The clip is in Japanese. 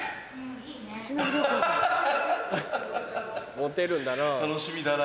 モテるんだな。